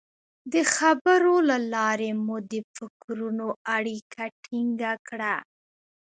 د خبرو له لارې مو د فکرونو اړیکه ټینګه کړه.